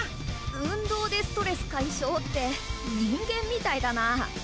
運動でストレス解消って人間みたいだな。